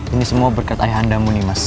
ini semua berkat ayah andamu nimas